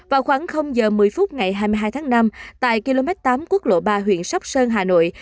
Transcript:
vào khoảng giờ một mươi phút ngày hai mươi hai tháng năm tại km tám quốc lộ ba huyện sóc sơn hà nội